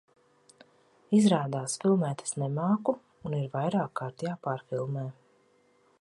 Izrādās filmēt es nemāku, un ir vairākkārt jāpārfilmē.